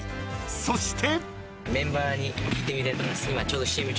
［そして］